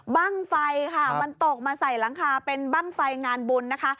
บ้างไฟค่ะมันตกมาใส่หลังคาเป็นบ้างไฟงานบุญนะคะ